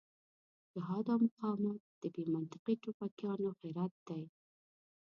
جهاد او مقاومت د بې منطقې ټوپکيان غرت دی.